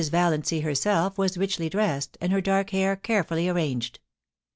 Valiancy herself was richly dressed, and her dark hair carefully arranged.